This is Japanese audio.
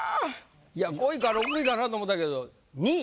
いや５位か６位かなと思ったけど２位。